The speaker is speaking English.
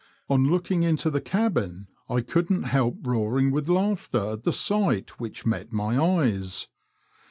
On looking into the cabin I couldn't help roaring with laughter at the sight which met my eyes.